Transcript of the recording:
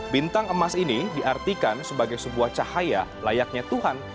bintang emas ini diartikan sebagai sebuah cahaya layaknya tuhan